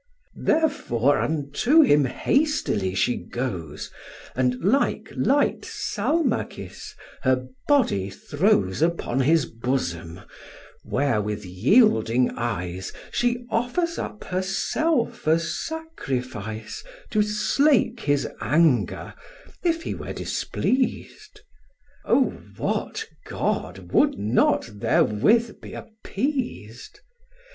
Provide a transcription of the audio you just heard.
Therefore unto him hastily she goes, And, like light Salmacis, her body throws Upon his bosom, where with yielding eyes She offers up herself a sacrifice To slake his anger, if he were displeas'd: O, what god would not therewith be appeas'd?